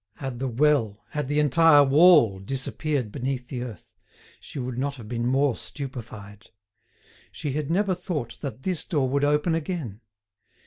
Had the well, had the entire wall, disappeared beneath the earth, she would not have been more stupefied. She had never thought that this door would open again.